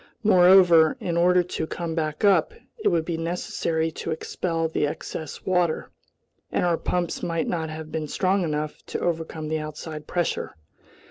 Moreover, in order to come back up, it would be necessary to expel the excess water, and our pumps might not have been strong enough to overcome the outside pressure.